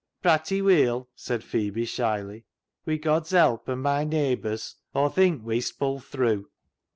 " Pratty weel," said Phebe shyly ;" wi' God's help an' my naybors' Aw think wee'st pull through."